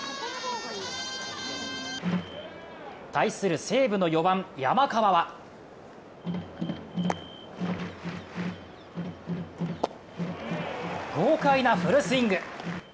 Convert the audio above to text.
対する西武の４番・山川は豪快なフルスイング！